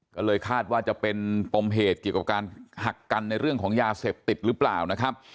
ก็เลยคาดว่าจะเป็นปมเหตุเกี่ยวกับการหักกันในเรื่องของยาเสพติดหรือเปล่านะครับ